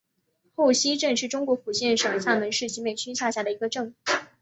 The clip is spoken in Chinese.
后溪镇是中国福建省厦门市集美区下辖的一个镇。